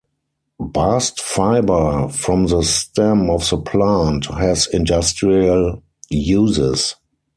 Bast fibre from the stem of the plant has industrial uses.